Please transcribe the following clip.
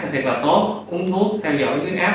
thì là tốt uống thuốc theo dõi viết áp